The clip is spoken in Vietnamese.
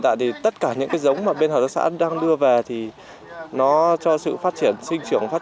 tại thì tất cả những cái giống mà bên hợp tác xã đang đưa về thì nó cho sự phát triển sinh trưởng phát